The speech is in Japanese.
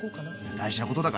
大事なことだからね。